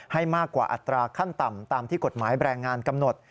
ให้มากกว่าอัตราขั้นต่ำตามที่กฎหมายแบรนด์งานกำหนด